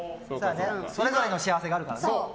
それぞれの幸せがあるからね。